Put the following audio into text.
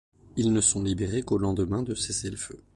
Ils ne sont libérés qu’au lendemain de cessez-le-feu.